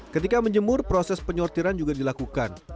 ketika menjemur proses penyortiran juga dilakukan